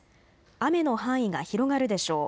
雨の範囲が広がるでしょう。